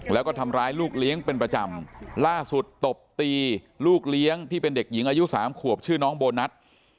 แล้วก็ทำร้ายลูกเลี้ยงเป็นประจำล่าสุดตบตีลูกเลี้ยงที่เป็นเด็กหญิงอายุสามขวบชื่อน้องโบนัส